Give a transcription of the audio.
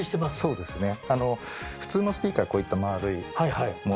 そうですね。